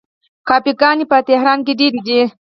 کافې ګانې په تهران کې ډیرې دي.